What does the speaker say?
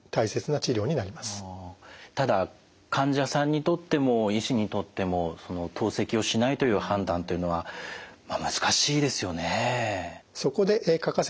ただ患者さんにとっても医師にとっても透析をしないという判断というのは難しいですよね。